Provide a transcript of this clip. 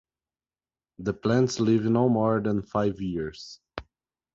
The plants live no more than five years.